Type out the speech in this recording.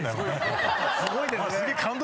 すごいですね。